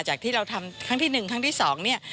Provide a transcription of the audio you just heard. จากที่เราทำทางที่๑และที่๒